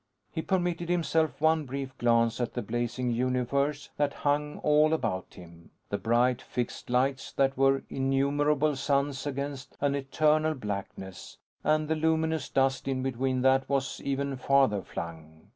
He permitted himself one brief glance at the blazing universe that hung all about him: the bright fixed lights that were innumerable suns against an eternal blackness, and the luminous dust in between that was even farther flung.